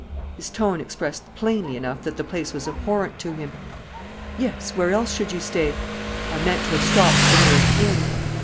His tone expressed plainly enough that the place was abhorrent to him. "Yes; where else should you stay?" "I meant to have stopped at the nearest inn."